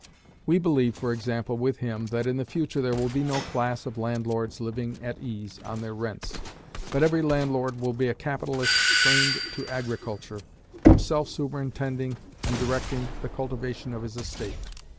We believe, for example, with him, that in the future there will be no class of landlords living at ease on their rents, but every landlord will be a capitalist trained to agriculture, himself superintending and directing the cultivation of his estate.